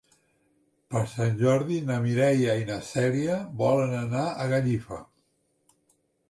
Per Sant Jordi na Mireia i na Cèlia volen anar a Gallifa.